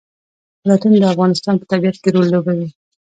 ولایتونه د افغانستان په طبیعت کې رول لوبوي.